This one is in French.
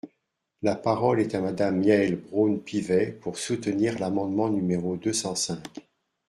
La parole est à Madame Yaël Braun-Pivet, pour soutenir l’amendement numéro deux cent cinq.